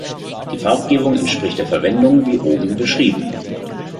Die Farbgebung entspricht der Verwendung wie oben beschrieben.